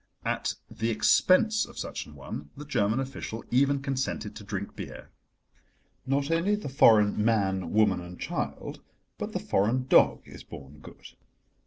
At the expense of such an one the German official even consented to drink beer. Not only the foreign man, woman and child, but the foreign dog is born good.